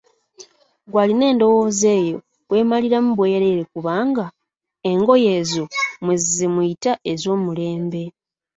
Ggwe alina endowooza eyo weemaliramu bwereere kubanga engoye ezo mmwe ze muyita ez'omulembe.